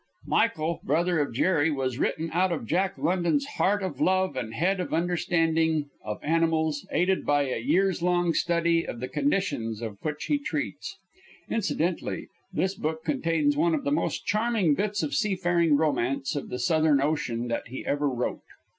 "Michael Brother of Jerry" was written out of Jack London's heart of love and head of understanding of animals, aided by a years' long study of the conditions of which he treats. Incidentally this book contains one of the most charming bits of seafaring romance of the Southern Ocean that he ever wrote.